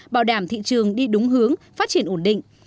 bảo đảm thị trường đi đúng hướng phát triển ổn định